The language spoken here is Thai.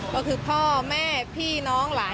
ก็คือพ่อแม่พี่น้องหลาน